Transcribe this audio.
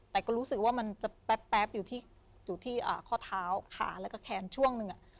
แต่ก็รู้สึกว่ามันจะแป๊บอยู่ที่ข้อเท้าขาแล้วก็แขนช่วงหนึ่ง